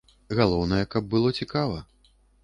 Галоўнае, каб было цікава.